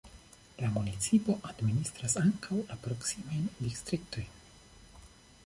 La municipo administras ankaŭ la proksimajn distriktojn.